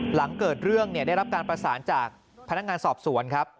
หลังเกิดเรื่องได้รับการประสานจากพนักงานสอบสวนครับ